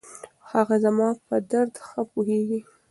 هغه زما په درد ښه پوهېږي.